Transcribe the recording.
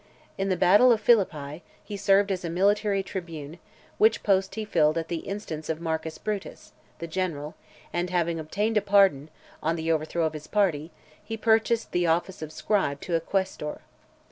In the battle of Philippi, he served as a military tribune , which post he filled at the instance of Marcus Brutus , the general; and having obtained a pardon, on the overthrow of his party, he purchased the office of scribe to a quaestor.